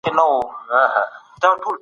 که چيرې ښه خلک نه وای، ژوند به ستونزمن و.